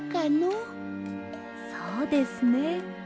そうですね。